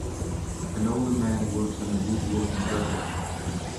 An older man works on a woodworking project.